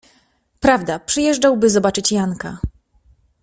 Prawda, przyjeżdżał, by zobaczyć Janka…